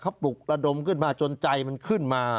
เขาปลุกระดมขึ้นมาจนใจมันขึ้นมา